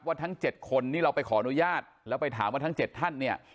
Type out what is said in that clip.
ทั้ง๗คนนี่เราไปขออนุญาตแล้วไปถามว่าทั้ง๗ท่านเนี่ย